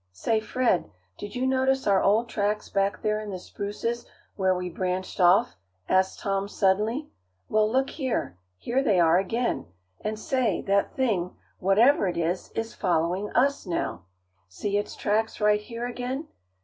"Say, Fred, did you notice our old tracks back there in the spruces where we branched off?" asked Tom, suddenly. "Well, look here. Here they are again; and say, that thing, whatever it is, is following us now. See its tracks right here again.